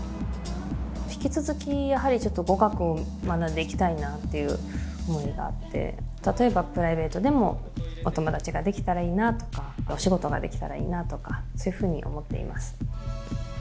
引き続きやはり、語学を学んでいきたいなっていう思いがあって、例えばプライベートでもお友達ができたらいいなとか、お仕事ができたらいいなとか、そういうふうに思っています。